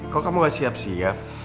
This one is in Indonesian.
kok kamu gak siap siap